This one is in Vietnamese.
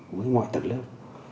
với mọi tầng lớp